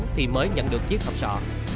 thì mới nhận được chiếc khẩu sọ